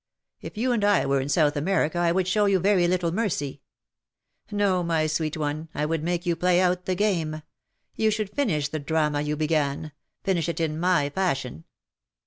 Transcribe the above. If you and I were in South America I would show you very little mercy. No, my sweet one, I would make you play out the game — you should finish the drama you began — finish it in my fashion.